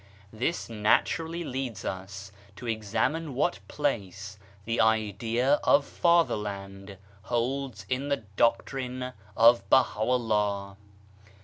This naturally leads us to examine what place the idea of fatherland holds in the doctrine of Baha'u'llah.